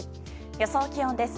予想気温です。